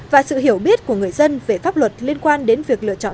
và sự hiểu biết của người dân về pháp luật liên quan đến việc lựa chọn